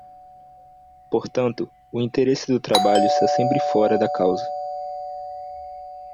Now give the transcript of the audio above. Portanto, o interesse do trabalho está sempre fora da causa.